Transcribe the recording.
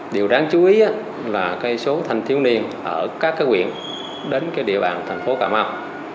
điều đáng chú ý là số thanh thiếu niên ở các quyện đến địa bàn tp cà mau